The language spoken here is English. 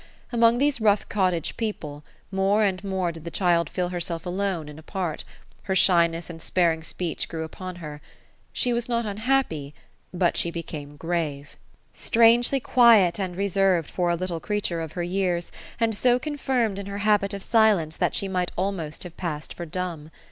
Among these rough cottage people, more and more did the child feel herself alone and apart Her shyness and sparing speech grew 2ipon her. She was not unhappy ; but she became grave. — strangely 210 Ophelia; quiet and reserved for a little creature of her jeara, and so coofirmcd in her habit of silence, that she might almost have passed for dumb.